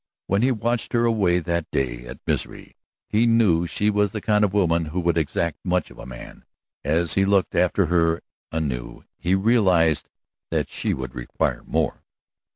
When he watched her away that day at Misery he knew she was the kind of woman who would exact much of a man; as he looked after her anew he realized that she would require more.